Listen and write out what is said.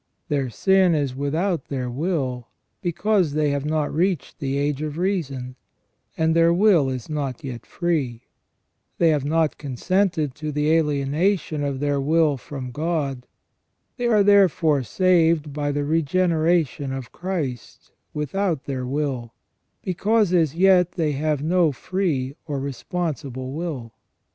Their sin is without their will, because they have not reached the age of reason, and their will is not yet free. They have not consented to the alienation of their will from God. They are therefore saved by the regeneration of Christ, without their will, because as yet they have no free or responsible will.